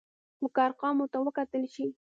خو که ارقامو ته وکتل شي،